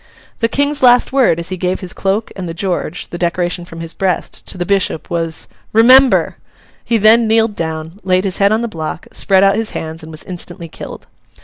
The King's last word, as he gave his cloak and the George—the decoration from his breast—to the bishop, was, 'Remember!' He then kneeled down, laid his head on the block, spread out his hands, and was instantly killed.